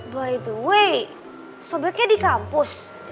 by the way sebutnya di kampus